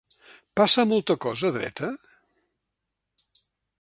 Passa molta cosa dreta?